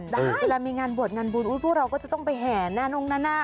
เวลามีงานบวชงานบูรณ์พวกเราก็จะต้องไปแห่นนั่ง